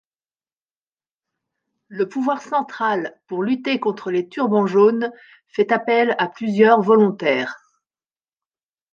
Le pouvoir central, pour lutter contre les Turbans Jaunes, fait appel à plusieurs volontaires.